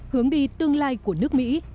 hướng đi tương lai của nước mỹ